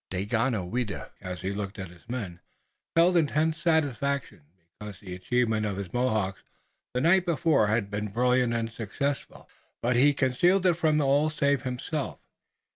Daganoweda, as he looked at his men, felt intense satisfaction, because the achievement of his Mohawks the night before had been brilliant and successful, but he concealed it from all save himself.